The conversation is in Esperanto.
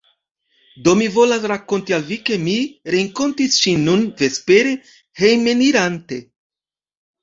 Do mi volas rakonti al Vi, ke mi renkontis ŝin nun vespere, hejmenirante.